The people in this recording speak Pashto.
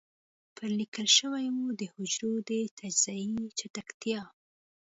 پرې ليکل شوي وو د حجرو د تجزيې چټکتيا.